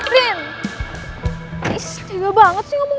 malaikat pencabut nyawa